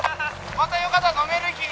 またよかったら飲める日に。